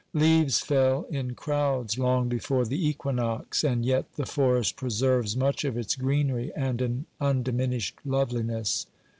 Leaves fell in crowds long before the equinox, and yet the forest preserves much of its greenery and an undiminished loveliness.